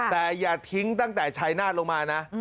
แต่อย่าทิ้งตั้งแต่ชายนาฏลงมานะ